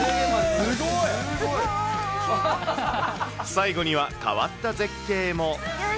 最後には変わった絶景も。